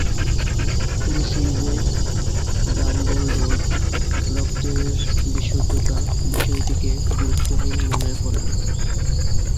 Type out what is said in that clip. পুরো সিরিজে, ডাম্বলডোর "রক্তের বিশুদ্ধতা" বিষয়টিকে গুরুত্বহীন মনে করেন।